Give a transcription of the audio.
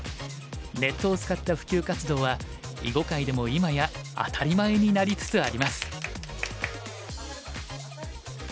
ネットを使った普及活動は囲碁界でも今や当たり前になリつつあります。